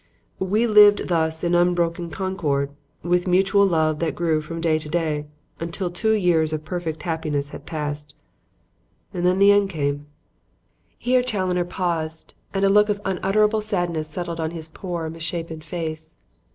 "We lived thus in unbroken concord, with mutual love that grew from day to day, until two years of perfect happiness had passed. "And then the end came." Here Challoner paused, and a look of unutterable sadness settled on his poor, misshapen face.